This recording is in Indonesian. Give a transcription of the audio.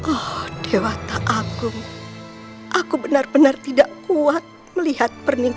aku tidak bisa menerima keadaan ini